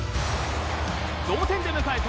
同点で迎えた